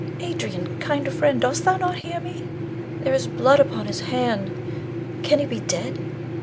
Adrian, kind friend, dost thou not hear me? There is blood upon his hand! Can he be dead?